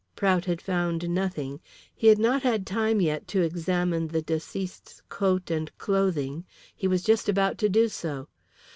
Prout had found nothing. He had not had time yet to examine the deceased's coat and clothing. He was just about to do so.